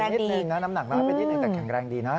แต่เล็กไปนิดนึงนะน้ำหนักมากไปนิดนึงแต่แข็งแรงดีนะ